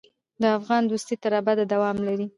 د افغان دوستي تر ابده دوام لري.